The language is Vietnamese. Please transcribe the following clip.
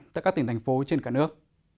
tại các tỉnh thành phố trên cả nước